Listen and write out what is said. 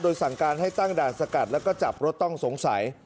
สั่งการให้ตั้งด่านสกัดแล้วก็จับรถต้องสงสัย